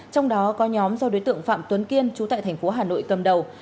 trong đó có nhóm do đối tượng phạm tuấn kiên chú tại thành phố hà nội cầm đầu